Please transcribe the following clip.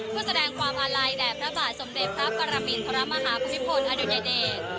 เพื่อแสดงความอาลัยแด่พระบาทสมเด็จพระปรมินทรมาฮาภูมิพลอดุญเดช